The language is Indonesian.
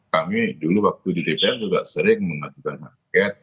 kami dulu waktu di dpr juga sering mengajukan angket